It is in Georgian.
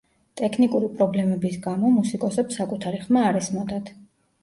ტექნიკური პრობლემების გამო მუსიკოსებს საკუთარი ხმა არ ესმოდათ.